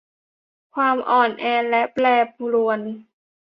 ความอ่อนแอและแปรปรวน